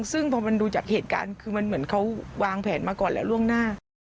ซึ่งพอมันดูจากเหตุการณ์คือมันเหมือนเขาวางแผนมาก่อนแล้วล่วงหน้า